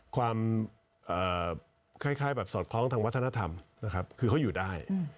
ความคล้ายแบบสอดคล้องทางวัฒนธรรมนะครับคือเขาอยู่ได้